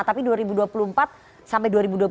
tapi dua ribu dua puluh empat sampai dua ribu dua puluh empat